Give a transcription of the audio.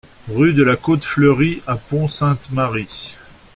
Rue de la Cote Fleurie à Pont-Sainte-Marie